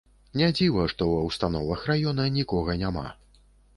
Не дзіва, што ва ўстановах раёна нікога няма.